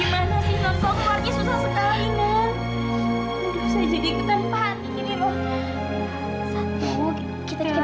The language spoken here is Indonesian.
nggak usah jadi ikutan panik gini loh